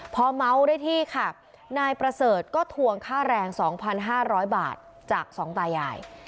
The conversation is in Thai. พอเมาส์ได้ที่ค่ะนายประเสริฐก็ทวงค่าแรง๒๕๐๐บาทจากสองตายาย